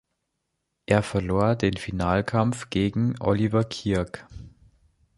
Er verlor den Finalkampf gegen Oliver Kirk.